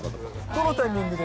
どのタイミングで？